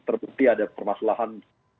tertutupi ada permasalahan